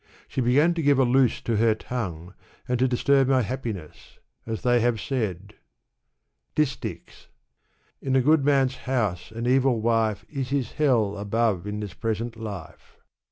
She began to give a loose to her tongue, and to disturb my happiness, as they have said, Distichs. '' In a good man's house an evil wife Is his hell above in this present life.